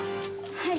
はい。